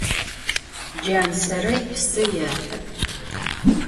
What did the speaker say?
Canserêy psı yêhı.